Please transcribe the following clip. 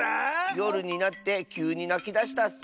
よるになってきゅうになきだしたッス。